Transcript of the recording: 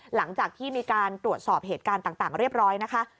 หลังจากที่มีการตรวจสอบเหตุการณ์ต่างเรียบร้อยนะคะ